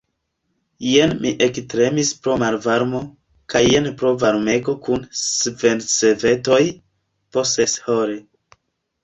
Jen mi ektremis pro malvarmo, kaj jen pro varmego kun svensvetoj, po seshore.